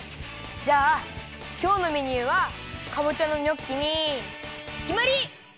じゃあきょうのメニューはかぼちゃのニョッキにきまり！